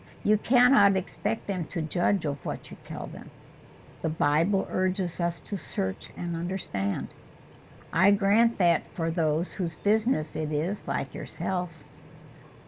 "You cannot expect them to judge of what you tell them." "The Bible urges upon us to search and understand." "I grant that for those whose business it is, like yourself."